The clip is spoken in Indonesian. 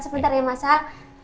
sebentar ya mas al